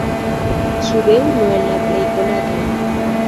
Sube unu el la plej konataj.